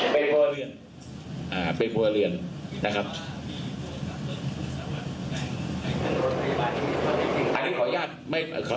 เป็นพ่อเรียนเป็นพ่อเรียนนะครับ